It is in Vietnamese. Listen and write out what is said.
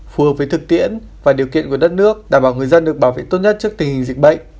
phù hợp với thực tiễn và điều kiện của đất nước đảm bảo người dân được bảo vệ tốt nhất trước tình hình dịch bệnh